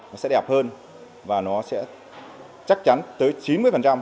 nó sẽ đẹp hơn và nó sẽ chắc chắn tới chín mươi